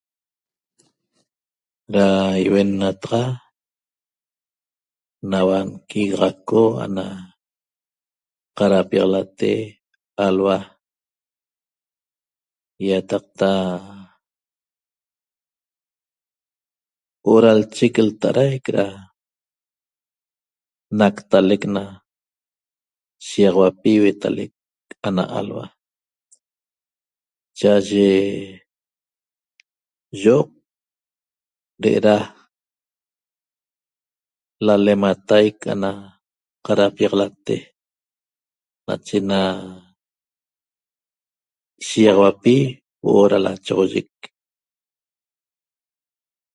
Ra iuennataxa naua nquigaxaco ana qarapiaxalate alhua iataqta huo'o ra lchec lta'araic ra naqtalec na shigaxauapi huetalec ana alhua cha'aye yo'oq re'era lalemataic ana qarapiaxalate nache na shigaxauapi huo'o ra lachoxoyec